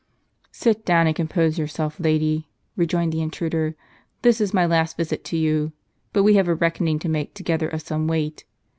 "Sit down and compose yourself, lady," rejoined the intruder; "this is my last visit to you; but we have a reck oning to make together of some weight.